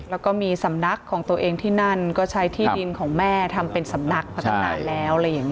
แล้วก็มีสำนักของตัวเองที่นั่นก็ใช้ที่ดินของแม่ทำเป็นสำนักพัฒนาแล้วอะไรอย่างนี้